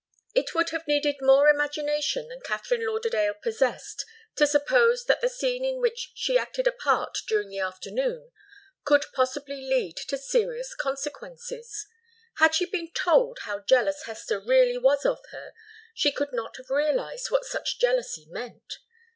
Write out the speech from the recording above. It would have needed more imagination than Katharine Lauderdale possessed to suppose that the scene in which she acted a part during the afternoon could possibly lead to serious consequences. Had she been told how jealous Hester really was of her, she could not have realized what such jealousy meant.